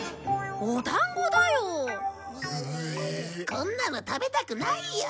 こんなの食べたくないよ。